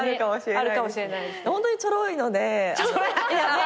ホントにチョロいので。